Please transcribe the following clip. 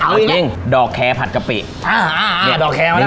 เอาอีกแล้วดอกแคร์ผัดกะปิอ่าอ่าอ่าดอกแคร์มาแล้ว